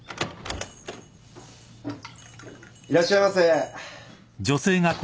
・いらっしゃいませ。